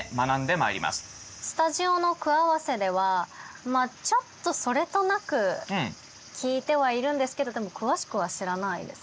スタジオの句合わせではちょっとそれとなく聞いてはいるんですけどでも詳しくは知らないです。